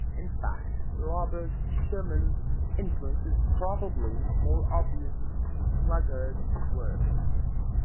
In fact, Robert Schumann's influence is probably more obvious in Klughardt's works.